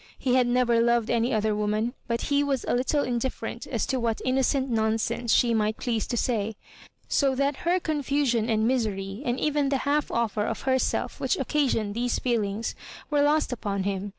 He had never loved any other woman ; but he was a little in different as to what innocent nonsense she might please to say. So that her confusion and mi sery, and even the half offer of herself which occasioned these feelings, were lost upon him.